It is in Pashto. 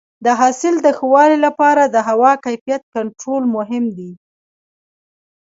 د حاصل د ښه والي لپاره د هوا کیفیت کنټرول مهم دی.